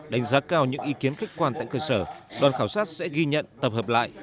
đánh giá cao những ý kiến khách quan tại cơ sở đoàn khảo sát sẽ ghi nhận tập hợp lại